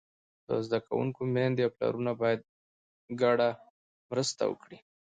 د زده کوونکو میندې او پلرونه باید ګډه مرسته وکړي.